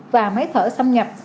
và máy thở xâm nhập